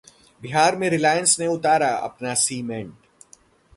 बिहार में रिलायंस ने उतारा अपना सीमेंट